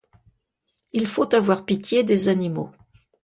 Il faut avoir pitié des animaux.